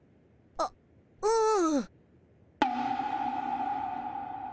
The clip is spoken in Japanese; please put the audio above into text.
あっうん。